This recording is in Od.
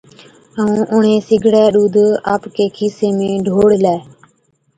ائُون اُڻهين سِگڙَي ڏُوڌ آپڪي کِيسي ۾ ڍوڙلَي،